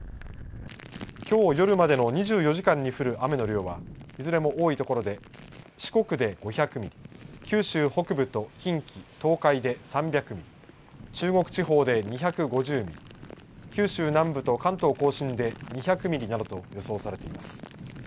きょう夜までの２４時間に降る雨の量は、いずれも多い所で四国で５００ミリ、九州北部と近畿、東海で３００ミリ、中国地方で２５０ミリ、九州南部と関東甲信で２００ミリなどと予想されています。